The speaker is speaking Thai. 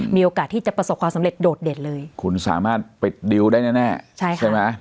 มีโอกาสที่จะประสบความสำเร็จโดดเด่นเลยคุณสามารถปิดดิวได้แน่แน่ใช่ค่ะใช่ไหม